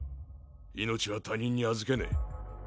命は他人に預けねえ。